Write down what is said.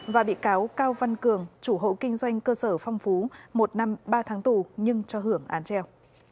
và bị cáo cao văn cường chủ hộ kinh doanh cơ sở phong phú một năm ba tháng tù nhưng cho hưởng án treo